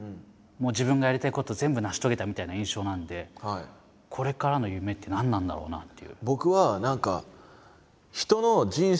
自分がやりたいこと全部成し遂げたみたいな印象なんでこれからの夢って何なんだろうなっていう。